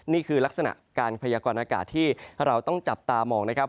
นี่คือลักษณะการพยากรณากาศที่เราต้องจับตามองนะครับ